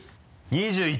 ２１！